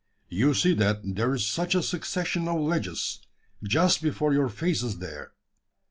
You see that there is such a succession of ledges just before your faces there.